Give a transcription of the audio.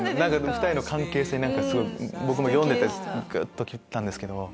２人の関係性に僕も読んでてぐっときたんですけど。